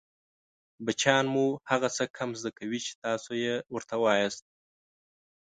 بچیان مو هغه څه کم زده کوي چې تاسې يې ورته وایاست